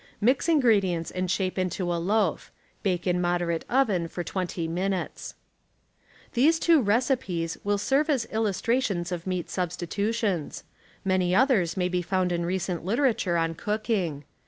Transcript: Mix ingredients and shape into a loaf ; bake in moderate oven for 20 minutes. These two recipes* will serve as illustrations of meat substi tutions. Many others may be found in recent literature on cook ing.